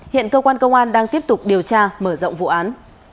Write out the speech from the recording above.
hiện cơ quan công an đang tiếp tục điều tra mở rộng vụ án